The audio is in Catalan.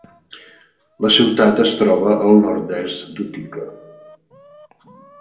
La ciutat es troba al nord-est d'Utica.